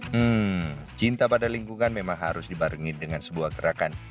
hmm cinta pada lingkungan memang harus dibarengi dengan sebuah gerakan